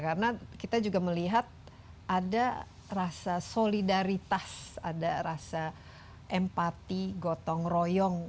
karena kita juga melihat ada rasa solidaritas ada rasa empati gotong royong